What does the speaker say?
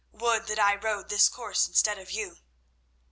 "Would that I rode this course instead of you."